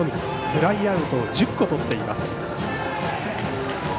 フライアウトを１０個とっています。